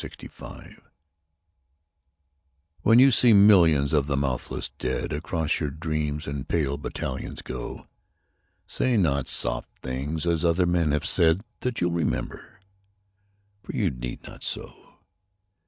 XCI The Army of Death WHEN you see millions of the mouthless dead Across your dreams in pale battalions go, Say not soft things as other men have said, That you'll remember. For you need not so.